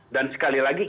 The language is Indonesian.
dan sekali lagi